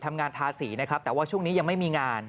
ทาสีนะครับแต่ว่าช่วงนี้ยังไม่มีงาน